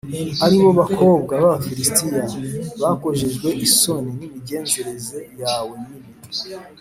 ari bo bakobwa b’Abafilisitiya, bakojejwe isoni n’imigenzereze yawe mibi